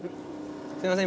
すいません